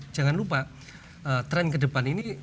jangan lupa tren ke depan ini